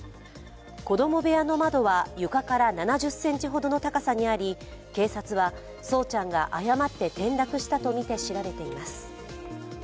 子供部屋の窓は床から７０ｃｍほどの高さにあり警察は、聡ちゃんが誤って転落したとみて調べています。